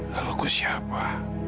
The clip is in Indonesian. lalu aku siapa